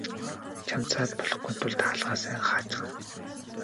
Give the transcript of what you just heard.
Чамд саад болохгүйн тулд хаалгаа сайн хаачихна.